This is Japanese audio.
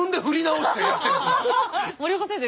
森岡先生